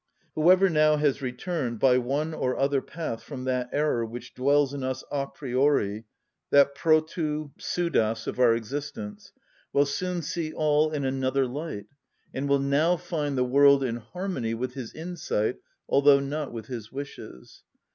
Whoever now has returned by one or other path from that error which dwells in us a priori, that πρωτου ψευδος of our existence, will soon see all in another light, and will now find the world in harmony with his insight, although not with his wishes.